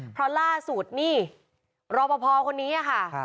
เพราะล่าสูตรหนี้รอปภคนนี้อ่ะค่ะ